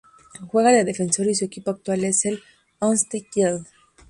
Juega de defensor y su equipo actual es el Holstein Kiel.